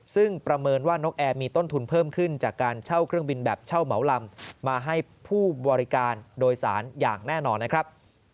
ซึ่งประเมินว่านกแอร์มีต้นทุนเพิ่มขึ้นจากการเช่าเครื่องบินแบบเช่าเหมาลำมาให้ผู้บริการโดยสารอย่างแน่นอนนะครับ